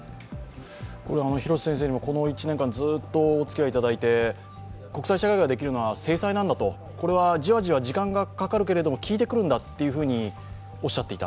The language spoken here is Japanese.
廣瀬先生にもこの１年間、ずっとおつきあいいただいて国際社会ができるのは制裁なんだと、じわじわと、時間はかかるけれども効いてくるんだとおっしゃっていた。